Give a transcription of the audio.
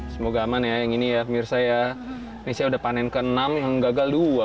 semoga aman ya yang ini ya pemirsa ya ini saya udah panen ke enam yang gagal dua